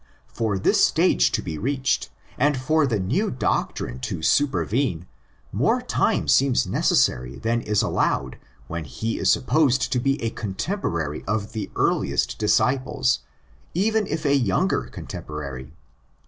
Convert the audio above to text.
For this stage to be reached, and for the '' new doctrine "' to supervene, more time seems necessary than is allowed when he is supposed to be a contemporary of the earliest disciples, even if a younger contemporary.